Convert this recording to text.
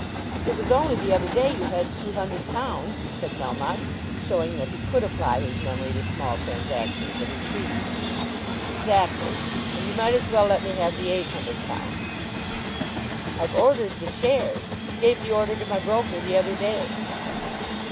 "It was only the other day you had £200," said Melmotte, showing that he could apply his memory to small transactions when he pleased. "Exactly; and you might as well let me have the £800." "I've ordered the shares; gave the order to my broker the other day."